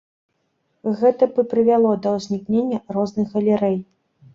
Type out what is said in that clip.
Гэта б і прывяло да ўзнікнення розных галерэй.